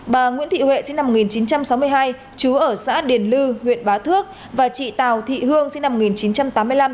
bà nguyễn thị huệ sinh năm một nghìn chín trăm sáu mươi hai chú ở xã điền lư huyện bá thước và chị tào thị hương sinh năm một nghìn chín trăm tám mươi năm